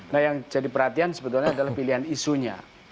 nah yang jadi perhatian sebetulnya adalah pilihan isunya